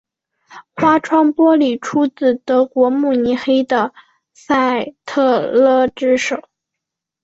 花窗玻璃出自德国慕尼黑的赛特勒之手。